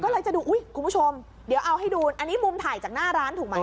ก็เลยจะดูอุ้ยคุณผู้ชมเดี๋ยวเอาให้ดูอันนี้มุมถ่ายจากหน้าร้านถูกไหม